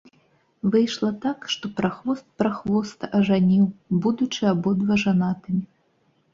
Выйшла так, што прахвост прахвоста ажаніў, будучы абодва жанатымі.